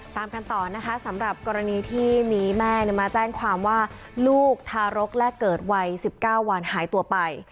ตามกันต่อนะคะสำหรับกรณีที่มีแม่มาแจ้งความว่าลูกทารกแรกเกิดวัย๑๙วันหายตัวไป